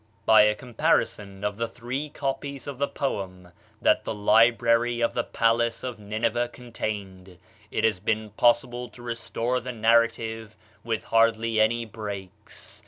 "By a comparison of the three copies of the poem that the library of the palace of Nineveh contained, it has been possible to restore the narrative with hardly any breaks.